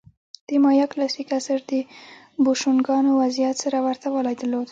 د مایا کلاسیک عصر د بوشونګانو وضعیت سره ورته والی درلود